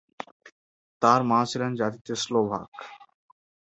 তার মা ছিলেন জাতিতে স্লোভাক।